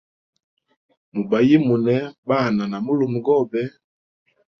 Mubayimune Bana na mulumegobe.